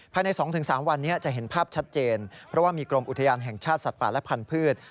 ภายใน๒๓วันนี้จะเห็นภาพชัดเจนเพราะว่ามีกรมอุทยานแห่งชาติสัตว์ป่าและพันธุ์